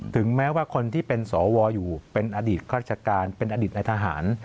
ถึงแม้ว่าคนที่เป็นสวอยู่เป็นอดีตราชการเป็นอดีตในทหาร